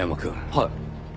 はい。